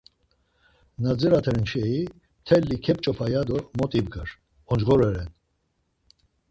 Na dziraten şei mteli kep̌ç̌opa ya do mot ibgar, oncğore ren.